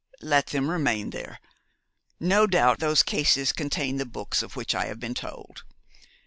'Let them remain there. No doubt those cases contain the books of which I have been told.